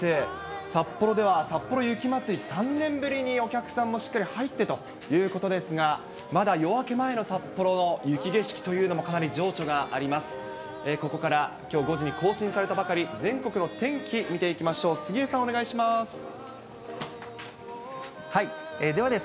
札幌ではさっぽろ雪まつり、３年ぶりにお客さんもしっかり入ってということですが、まだ夜明け前の札幌の雪景色というのもかなり情緒があります。